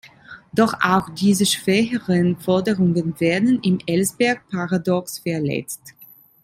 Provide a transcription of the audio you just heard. Doch auch diese schwächeren Forderungen werden im Ellsberg-Paradox verletzt.